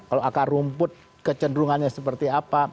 kalau akar rumput kecenderungannya seperti apa